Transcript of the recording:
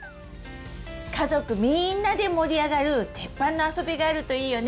家族みんなで盛り上がるテッパンのあそびがあるといいよね！